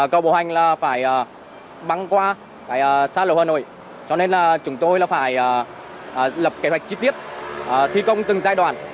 cầu bộ hành là phải băng qua xa lộ hà nội cho nên là chúng tôi là phải lập kế hoạch chi tiết thi công từng giai đoạn